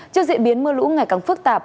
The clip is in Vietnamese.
trước diễn biến mưa lũ ngày càng phức tạp